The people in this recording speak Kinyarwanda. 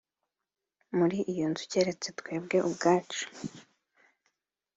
muri iyo nzu keretse twebwe ubwacu